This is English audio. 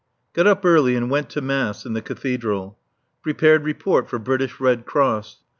Got up early and went to Mass in the Cathedral. Prepared report for British Red Cross.